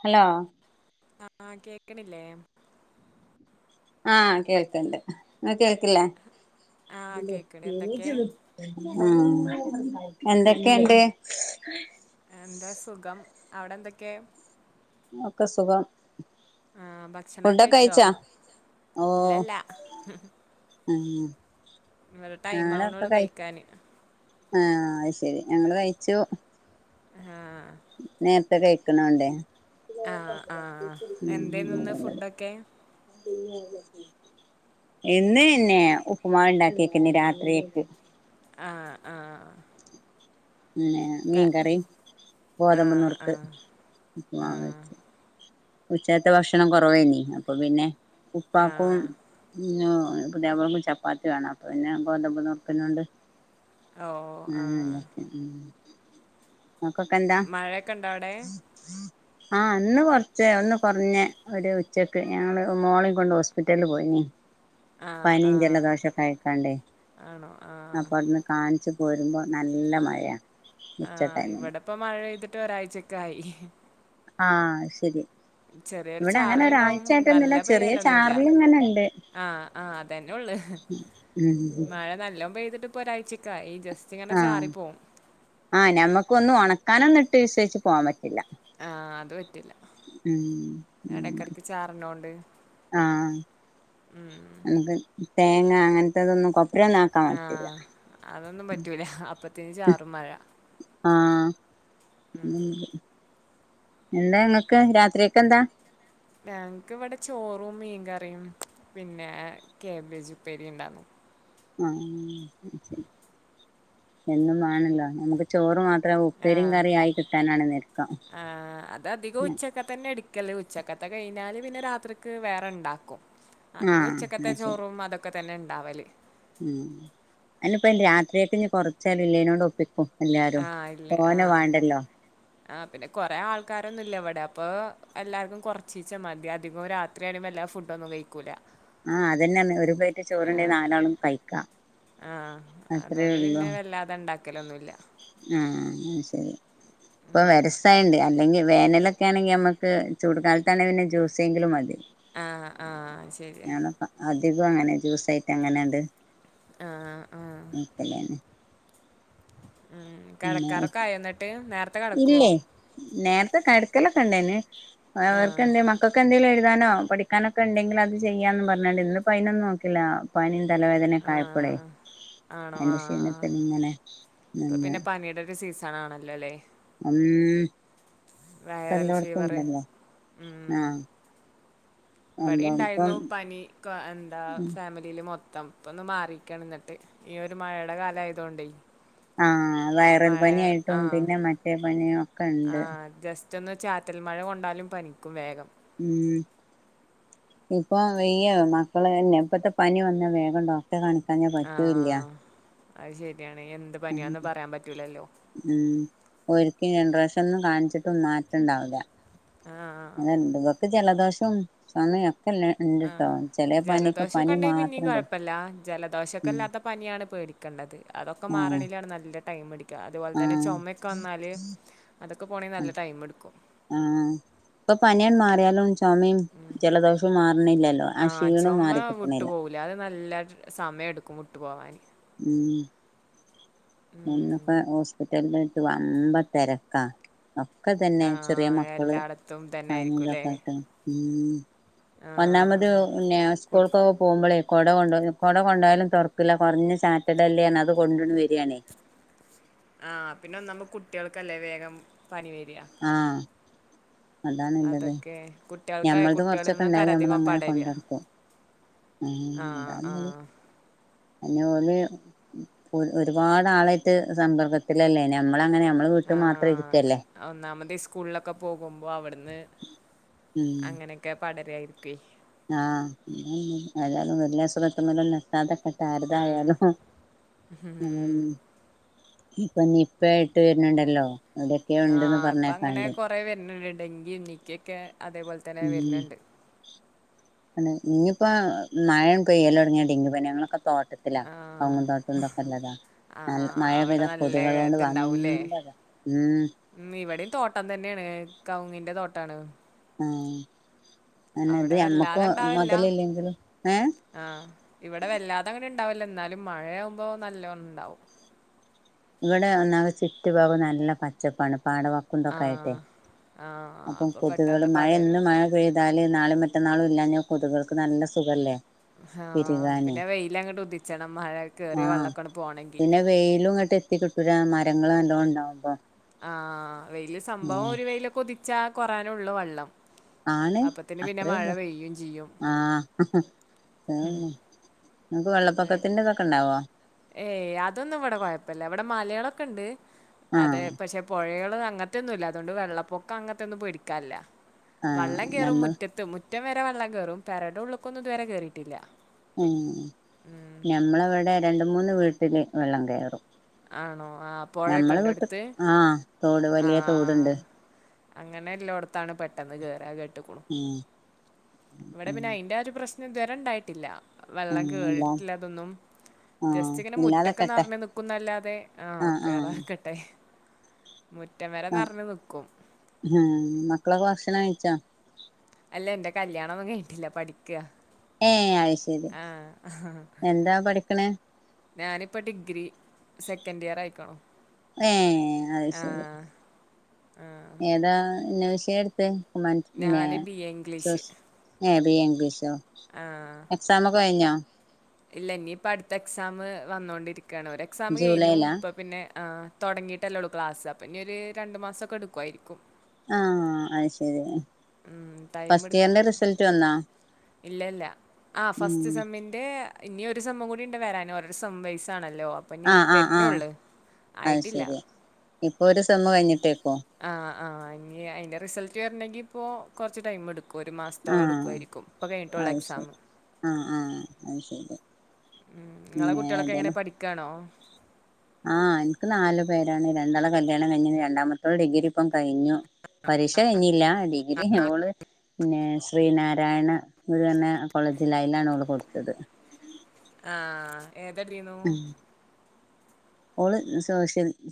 Hello ആഹ് കേക്കിണില്ലെ ആഹ് കേൾക്ക്ണ്ട്. ങ്ങക്ക് കേൾക്ക് ല്ലെ ആഹ് കേക്കണ് എന്തൊക്കെ ആഹ് എന്തെക്കെണ്ട്. എന്താ സുഖം. അവിടെന്തെക്കെ. ഒക്കെ സുഖം. ആഹ് ഭക്ഷണൊക്കെ ഫുഡൊക്കെ കഴിച്ചോ? കഴിച്ചാ ഓഹ് ഇല്ലല്ല. ഉം ഇവിടെ ടൈം ഞാനൊക്കെ ആവണുള്ളൂ കൈ കഴിക്കാന് ആഹ് അഹ് ശരി ഞങ്ങള് കഴിച്ചു. ആഹ് നേരത്തെ കഴിക്കണോണ്ടെ ആഹ് ആഹ് ഉം എന്തേന്നു ഇന്ന് ഫുഡൊക്കെ എന്ന്അഹ് ന്നേ ഉപ്പും മാവ് ണ്ടാക്കീക്ക്ണ് രാത്രിയ്ക്ക്. ആഹ് ആഹ് ആഹ് പിന്നെ ക മീൻ കറിം ഗോതമ്പ് ആഹ് നുറുക്ക് ആഹ് ഉപ്പ് മ്മാവ് ആഹ് വെച്ച് ഉച്ചക്കത്തെ ഭക്ഷണം കുറവേനീ അപ്പൊ പിന്നെ ഉപ്പാക്കും ആഹ് ന്നു പുത്യാപ്പള്ക്കും ചപ്പാത്തി വേണം അപ്പ പിന്നെ ഗോതമ്പ് നുറുക്കിനോട് ഓ ആഹ് [unintelligible] ആഹ് ഇങ്ങക്കൊക്കെന്താ മഴയൊക്കെ ഉണ്ടോ അവിടെ ആഹ് ഇന്ന് കൊർ ച്ചേ ഒന്ന് കൊർഞ്ഞ ഒരു ഉച്ചക്ക് ഞങ്ങള് മോളിം കൊണ്ട് ഹോസ്പിറ്റൽല് പോയിനീ. ആഹ് പനിം ആഹ് ജലദോശൊക്കെ ആയിക്കാണ്ടേ ആണോ ആഹ് അപ്പോ അവ്ട്ന്ന് കാണിച്ച് പോരുമ്പോ നല്ല മഴാ. ആഹ് ഇവിടെപ്പോ മഴെയ്തിട്ട് ഒരാഴ്ചക്കായി. ആഹ് അയ്ശരി ചെറിയൊരു ഇവിടെ അങ്ങനെ ചാറലുണ്ടാവും നല്ല ഒരാഴ്ചായിട്ടൊന്നുല്ല ചെറിയ പെയ്യലൊന്നുല്ല ചാറല്‌ ഇങ്ങനെ ഇണ്ട്. ആഹ് ആഹ് അതന്നെ ഒള്ള്. ഉം മഴ നല്ലോം പെയ്തിട്ട് പ്പ ഒരാഴ്ച്ചൊക്കായി ജസ് ആഹ് ആഹ് നമ്മക്ക് ഒന്നും ഒണക്കാനൊന്ന് ഇട്ട് വിസ്വയ്ച് പോവാൻ പറ്റില്ല. ആഹ് അത് പറ്റില്ല ഉം അങ്ങനെ എടക്കെടക്ക് ചാറ്ണോണ്ട്. ആഹ് നമുക്ക് തേങ്ങ അങ്ങൻത്തതൊന്നും കൊ ആഹ് അതൊന്നും പറ്റൂല അപ്പത്തിന് ചാറും മഴ. ആഹ് [unintelligible] എന്താ ഇങ്ങക്ക് രാത്രിക്കക്ക് എന്താ? ഞങ്ങക്ക് ഇവടെ ചോറും, മീൻകറിയും, പിന്നെ കാബേജ് ഉപ്പേരി ഉണ്ടാന്നു. ആഹ് അയ്ശരി എന്നും മാണല്ലോ നമക്ക് ചോറ് മാത്രം ഉപ്പേരിയും ആഹ് കറിയായി കിട്ടാനാണ് ഞെര്ക്കം. ആഹ് അ അത് അധികും ഉച്ചക്കത്തന്നെ എടുക്കല് ഉച്ചക്കത്തെ കഴിഞ്ഞാല് പിന്നെ രാത്രിക്ക് വേറെ ണ്ടാക്കും. അധികും ആഹ് ഉച്ചക്കത്തെ അത് ശരി ചോറും അതൊക്കെ തന്നെ ഇണ്ടാവല്. ഉം അയ്നിപ്പ രാത്രിക്കക് ഇഞ് കൊറച്ചായാലും ഇല്ലേനോട് ഒപ്പി ക്കും എല്ലാരും ആഹ് ഇല്ലേ തോനെ വാണ്ടല്ലോ. ആഹ് പിന്നെ കൊറെ ആൾക്കാരൊന്നും ഇല്ല ഇവടെ അപ്പൊ എല്ലാർക്കും കൊറച്ചീചെ മതി അധികം രാ ത്രി അയ്ന് വല്ലാതെ ഫുഡൊന്നും കയിക്കൂല്ല. ആഹ് അതന്നെ പർഞെ ഒരു പ്ലേറ്റ് ചോറ്ണ്ടെ നാലാളും കഴി ആഹ് അതോണ്ട് ഉള്ളൂ പിന്നെ വല്ലാതെ ഇണ്ടാക്കലൊന്നുല്ല. ആഹ് അത്ശരി. ഇപ്പം വരസായോണ്ട് അല്ലെങ്കി വേനലൊക്കെ ആണെങ്കി ഞമ്മക്ക് ചൂട് കാലത്താണെ പിന്നെ ജ്യൂസേങ്കിലും മതി. ആഹ് ആഹ് അഹ് ഞാനൊക്ക അധികും അങ്ങനെ ജ്യൂസായിട്ട് അങ്ങനാണ്ട് ആഹ് അ നീക്കല്ലാന്ന് ഉം പിന്നെ കെടക്കാറൊക്കെ ആയോ ഇന്നട്ട്, നേരത്തെ കെടക്കുവോ? ഇല്ലേ നേരത്തെ കടക്കലൊക്കെണ്ടേന് ആ അവർക്ക് എന്തേം മക്കക്ക് എന്തേലും എഴുതാനോ പഠി ക്കാനൊക്കെണ്ടെങ്കിൽ അത് ചെയ്യാന്നും പർഞ്ഞാണ്ടേ ഇന്ന്പ്പ അയിനൊന്നും നോക്കില്ല. പനിയും തലവേദനൊക്ക ആ ആയപ്പളേ ആണോ ആ അയിന്റെ ആ. ക്ഷീണത്തില് ഇങ്ങനെ ഇപ്പൊ നിന്ന് പിന്നെ പനിയുടെ ഒരു സീസൺ ആണല്ലോല്ലേ? ഉം ഇപ്പ വൈറൽ എല്ലോടത്തും ഫീവറ് ഇണ്ടല്ലോ ഉം ആഹ് ഇവടിം സംഭവം ഇപ്പം ഇണ്ടായിരുന്നു പനി കൊ എന്താ ഉം ഫാമി ലീല് മൊത്തം ഇപ്പൊ ഒന്ന് മാറിക്കാണ് ഇന്നട്ട്. ഈ ഒരു മഴയുടെ കാലായതോണ്ടേ. ആഹ് വയറൽ പനി ആ ആയിട്ടും പിന്നെ മറ്റേ പനിയും ഒക്കെ ഇണ്ട് റ്റൊന്ന് ചാറ്റൽ മഴ കൊണ്ടാലും പനിക്കും വേഗം ഉം ഇപ്പൊ വെയ്യ മക്കള് തന്നെ ഇപ്പത്തെ പനി വന്നാ വേഗം ടോ ക്ട്രെ കാണിക്കാഞ്ഞ ആഹ് അയ് ശരിയാണ് എന്ത് ഉം പനിയാന്ന് പറയാൻ പറ്റൂലല്ലോ ഉം ഒരിക്കിം രണ്ട് പ്രാവശ്യം ഒന്നും കാണിച്ചിട്ടും മാറ്റം ഇണ്ടാവൂല ആഹ് [unintelligible] ഇങ്ങക്ക് ജലദോഷം ചൊമിം ഒക്കെല്ലെ ആഹ് ആഹ് ജലദോഷൊക്കെ ഇണ്ടെങ്കി പിന്നിം മാത്രണ്ടോ കൊയപ്പല്ല ഉം ജലദോഷൊക്കെല്ലാത്ത പനിയാണ് പേടിക്കെണ്ടത് അതൊക്കെ ആഹ് മാറണങ്കിലാണ് നല്ല ടൈം പിടി ക്ക അതുപോലെ തന്നെ ആഹ് ചൊമെ ഒക്കെ വന്നാല് അതൊക്കെ പോണെങ്കിൽ നല്ല ടൈം ഇട്ക്കും ആഹ് ഇപ്പൊ പനിയാണ് മാറിയാലും ചൊ ചൊമിം ജലദോഷോം മാറ്ണില്ലല്ലോ. ആ ക്ഷീണും മാറിക്കിട്ട്ണില്ല ഇല്ല അത് നല്ലയ്ട്ട് സമയം എടുക്കും വിട്ട് പോവാന് ഉം മുന്നെ പ്പഹോസ്പിറ്റൽലൊട്ട് വമ്പ തെരക്കാ ഒ ഒക്കെ ഇതെന്നെ. ചെറിയ ആഹ് മക്കള് എല്ലായിടത്തും തന്നെ പനിം ആയിരിക്കുംല്ലേ തൊക്കെ ആയ്ട്ട് ഉം ഒന്നാമത് ആഹ് പിന്നെ കു സ്കൂൾക്കൊക്കെ പോവുമ്പോളേ കൊട കൊണ്ടോയ്ന്ന് കൊട കൊണ്ടായാലും തൊർക്കില്ല കൊറഞ്ഞ ചാറ്റലല്ലേ അർഞ് അത് കൊണ്ട് ഈണ്ട് വെരാണേ ആഹ് പിന്നെ ഒന്നാമത് കുട്ടിയാൾക്കല്ലേ വേഗം പനി വെരാ ആഹ് അതാണ്ല്ലത്. അതൊക്കെ കുട്ടികൾക്ക് ഞമ്മൾത് കുട്ടികളിൽ കൊർച്ചൊക്കെ നിന്നൊക്കെ ഇണ്ടായാലും ഞമ്മൾ അധികം അങ്ങനെ പടരുക കൊണ്ടട്ക്കും ഉം ആഹ് അതാണ്ള്ളത് ആഹ് അഹ് പിന്നെ ഓല് ഒരുപാട് ആളായിട്ട് സമ്പർക്കത്തിലല്ലേ നമ്മള അങ്ങനെ ഞമ്മ ള് വീട്ട് മാത്രം ഇരിക്കല്ലേ അഹ് ഒന്നാമത് ഈ സ്കൂൾളൊക്കെ പോകുമ്പോ അവ്ട്ന്ന് ഉം അങ്ങനെ ക്കെ പടരായിരിക്കൊയ് ആഹ് അതാണ് ള്ളത് [unintelligible] വീട്ടിലെ അസുഖത്ത്ന്നല്ലല്ലാ കിട്ടാതെക്കട്ടെ ആരെതായാലും [unintelligible] ഇപ്പൊ നിപ്പ ആയിട്ട് വെര്ന്ണ്ടല്ലോ എവ്ടെക്കെയോ ഇണ്ട്ന്ന് പറഞ്ഞേക്കാണ്ട് പ്പഹ് വെര്ന്ണ്ട്. ഡെങ്കിയും നിക്കെക്കെ അതേപോൽതന്നെ വെര്ന്ണ്ട്. ക്ക്ണ് ഇഞ്ഞിപ്പോ മഴേണ് പെയ്യലൊട്ങ്യാ ഡെങ്കി പനി ഞങ്ങളൊക്കെ തോട്ട ത്തിലാ. ആഹ് കവുങ്ങും തോട്ടം ഇതൊക്കെല്ലതാ നല്ല ആഹ് അവിടെ മഴപെഴ്താ നല്ല കൊതുകളോണ്ട് ഇത്ണ്ടാവൂല്ലേ വമ്പ താ ഉം ഉം ഇവടിം തോട്ടം തന്നേണ്. കൗങ്ങിന്റെ തോട്ടാണ്. ആഹ് അയെന്നെ ഇത്‌ അവിടെ ഞമ്മക്ക് വല്ലാതെ ഇണ്ടാവില്ല മൊതലില്ലെങ്കിലും ഏ ആഹ് ഇവടെ വല്ലാതെ അങ്ങട് ഇണ്ടാവുല്ല. ഇന്നാലും മഴയാവുമ്പൊ നല്ലോണം ഇണ്ടാവും. ഇവടെ ഒന്നാമത് ചുറ്റു ഭാഗോ നല്ല പച്ചപ്പാണ്. പാടവ ക്കുണ്ടൊക്കായിട്ടെ ആഹ് ആഹ് അപ്പം അപ്പൊ കൊതുകേള് പെട്ടെന്ന് മഴ ഇന്ന് പടരും മഴ ണ്ട് പെയ്താല് നാളീം മറ്റന്നാളും ഇല്ലാ ഞ്ഞാ കൊതുകൾക്ക് നല്ല സുഖല്ലേ ആഹ് പെരുകാന് പിന്നെ വെയ്ലങ്ങട്ട് ഉദിച്ചണം മഴ കേറിയ വെള്ളൊക്കാണ്ട് പോണെങ്കി വെയ്ലുംങ്ങട്ട് എ ത്തി കിട്ടൂലാ മരങ്ങള് നല്ലോണം ഇണ്ടാവുമ്പോ ആഹ് വെയ്ല് സംഭവം ഒരു വെയ്ലൊക്കെ ഉദിച്ചാ കൊറയാനൊള്ളു വള്ളം ആണ് അത്രേ ഒള്ളു ചെയ്യും ആഹ് അത്രേ [unintelligible] നിങ്ങക്ക് വെള്ളപ്പൊക്കത്തിന്റെ ഇതൊക്കെ ഇണ്ടാവോ ഏയ് അതൊന്നും ഇവിടെ കൊഴപ്പില്ല. ഇവിടെ മലകളൊക്കെ ഇണ്ട് അതെ ആഹ് പക്ഷെ പുഴകൾ അങ്ങനത്തെ മുറ്റൊന്നുല്ല അതുകൊണ്ട് വെള്ളപ്പൊക്കം അങ്ങനത്തെൊന്നും പേടിക്ക നില്ല. ആഹ് വെള്ളം കേറും ഞമ്മൾ മുറ്റത്ത് മു മുറ്റ വരെ വള്ളം കേറും. പരടെ ഉള്ളൊക്കൊന്നും ഇതുവരെ കയറിയിട്ടില്ല ഉ ഞമ്മളവിടെ രണ്ട് മൂന്ന് വീട്ടിൽ വെള്ളം കയറും ആണോ? ആ ഞമ്മള് വിട്ട് ആഹ. ആഹ അങ്ങനെ എല്ലോടത്താണ് പെട്ടെന്ന് കേയറാ അഹ്‌ കേട്ടക്കുന്നു ഉം ഇവിടെ ഉം പിന്നെ അയിന്റെ ഒരു പ്രശ്നം ഇതുവരെ ഇണ്ടായിട്ടില്ല. വെള്ളം ഉം ഇല്ലാ കേറിട്ടില്ലതൊന്നും ആഹ് ജസ്റ്റ് ഇങ്ങനെ മുറ്റൊക്കെ ഇല്ലാതെക്കട്ടെ ന്നറഞ് നിക്കുന്നല്ലാതെ ആഹ് കേറാക്കട്ടെ മുറ്റം വരെ നറഞ്ഞു നിക്കും അഹ്‌ മക്കളൊക്കെ ഭക്ഷണം കഴിച്ചോ അല്ല എന്റെ കല്യാണംന്നും കഴിഞ്ഞിട്ടില്ല പഠിക്ക. ഏയ്. അഹ് ശരി എന്താ പഠിക്കണ ഞാനിപ്പോ ഡിഗ്രി സെക്കൻഡ് ഇയർ ആയിക്കണോ ഏ അത് ആഹ ആഹ ഏതാെ ന്നവിശ ത്ത് ഒമാറ്റി പിന്നെ ഞാന് ബിഎ സർ ഇംഗ്ലീഷ്. ഏ ബി എ ഇംഗ്ളീഷ് സൊ ആഹ്. എക്സമക്കെ കഴിഞ്ഞോ ഇല്ല ഇനി ഇപ്പ അടുത്ത എക്സാം വന്നോണ്ടിരിക്കയാണ് ഒരു എക്സാം കഴിഞ്ഞു ജൂലൈലാ ഇപ്പൊ പിന്നെ ആഹ് തോടങ്ങിയിട്ടല്ലേള്ളൂ ക്ലാസ് അപ്പ ഇനി ഒരു രണ്ട് മാസമൊക്കെ എടുക്കുവായിരിക്കും ആഹ് അഹ് ശരി ഉ ടൈം ഫസ്റ്റ് എടുക്കും ഇയറിന്റെ റിസൾട്ട് വന്നാ ഇല്ലല്ല ആഹ് ഉം ഫസ്റ്റ് സെമ്മിന്റെ ഇനി ഒരു സമ്മുകുടിണ്ട്‌ വരാന് ഓരോരെ സംഭം വൈശാണല്ലോ അപ്പൊ നീ ആ ആ ആ വരുന്നള്ളു അത് ആയിട്ടില്ല ശരി ഇപ്പൊ ഒരു സമ് കഴിഞ്ഞിട്ടേക്കോ ആഹ് ആഹ് ഇനി അയിന്റെ റിസൾട്ട് വരണെങ്കി ഇപ്പോ കുറച്ച് ടൈം എടുക്കും ക്ക ഒരു ആ മാസത്തോടെംടുക്കുമായിരിക്കും ഇപ്പകായിന്നോട്ടോള്ളൂ എക്സാം ആഹ് ആഹ് അഹ് ശരി ഉം നിങ്ങളെ പിന്നെ കുട്ടികളൊക്കെ എങ്ങനെ ഏതായാലും പഠിക്കണോ ആഹ് എനിക്ക് നാലു പേരാണ് രണ്ടാളെ കല്യാണം കഴിഞ്ഞു രണ്ടാമത്തോൾ ഡിഗ്രി ഇപ്പം കഴിഞ്ഞു പരീക്ഷ കഴിഞ്ഞില്ല ഡിഗ്രി അള് പിന്നെ ശ്രീനാരായണ ഗുരു ന്നെ കോളെജില അയിലാണ് ഓള് കൊടുത്തത് ആഹ് ഏതടീന്നു ഉം ഓള് സോസൽ